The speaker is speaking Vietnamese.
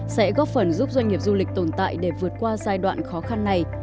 sẽ góp phần giúp doanh nghiệp du lịch tồn tại để vượt qua giai đoạn khó khăn này